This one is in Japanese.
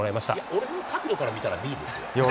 俺の角度から見たらＢですよ。